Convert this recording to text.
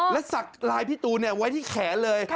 และสักลายพี่ตูนไว้ที่แขนเลย